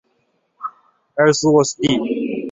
埃尔斯沃思地。